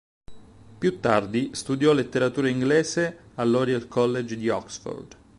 Più tardi, studiò letteratura inglese all'Oriel College di Oxford.